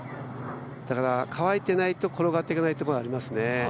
だから乾いてないと転がってかないところがありますね。